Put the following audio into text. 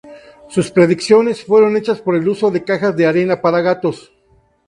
Sus predicciones fueron hechas por el uso de cajas de arena para gatos.